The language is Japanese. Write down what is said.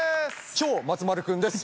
超松丸君です。